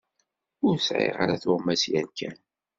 Ur sɛiɣ ara tuɣmas yerkan.